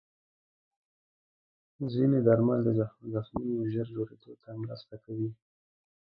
ځینې درمل د زخمونو ژر جوړېدو ته مرسته کوي.